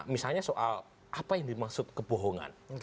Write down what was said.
misalnya soal apa yang dimaksud kebohongan